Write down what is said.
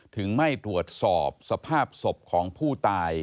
ไม่ตรวจสอบสภาพศพของผู้ตาย